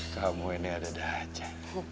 kamu ini ada dah aja